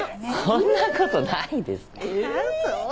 そんなことないです。